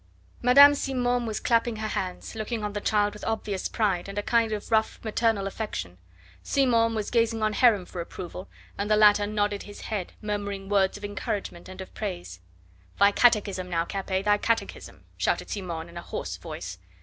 Madame Simon was clapping her hands, looking on the child with obvious pride, and a kind of rough maternal affection. Simon was gazing on Heron for approval, and the latter nodded his head, murmuring words of encouragement and of praise. "Thy catechism now, Capet thy catechism," shouted Simon in a hoarse voice.